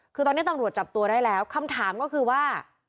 คือตอนนี้ตำรวจจับตัวได้แล้วคำถามก็คือว่า